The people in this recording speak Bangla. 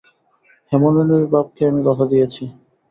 হেমনলিনীর বাপকে আমি কথা দিয়াছি।